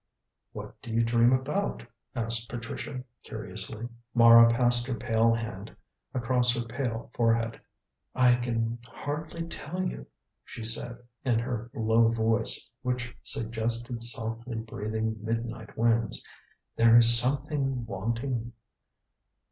"What do you dream about?" asked Patricia curiously. Mara passed her pale hand across her pale forehead. "I can hardly tell you," she said in her low voice, which suggested softly breathing midnight winds; "there is something wanting."